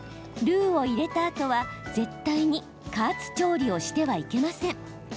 ルーを入れたあとは絶対に加圧調理をしてはいけません。